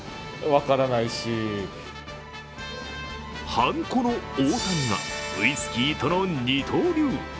はんこの大谷がウイスキーとの二刀流。